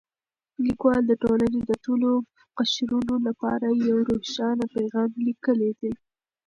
لیکوال د ټولنې د ټولو قشرونو لپاره یو روښانه پیغام لېږلی دی.